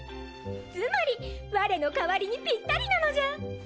つまり我の代わりにぴったりなのじゃ！